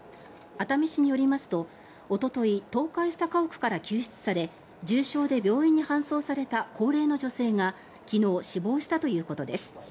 熱海市によりますと、おととい倒壊した家屋から救出され重傷で病院に搬送された高齢の女性が昨日、死亡したということです。